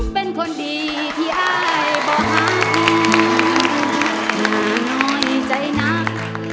ร้องได้ให้ร้าง